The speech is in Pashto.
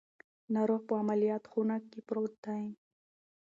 ناروغ په عملیاتو خونه کې پروت دی.